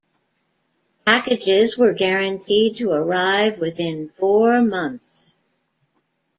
Packages were guaranteed to arrive within four months.